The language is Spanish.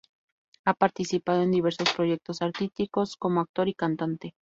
Ha participado en diversos proyectos artísticos como actor y cantante.